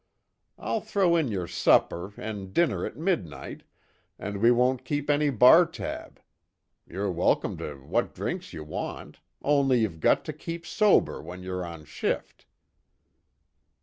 I'll throw in your supper, and dinner at midnight, and we won't keep any bar tab. You're welcome to what drinks you want only you've got to keep sober when you're on shift."